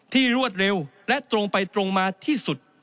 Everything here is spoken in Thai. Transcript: รวดเร็วและตรงไปตรงมาที่สุด